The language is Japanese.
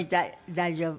「大丈夫」。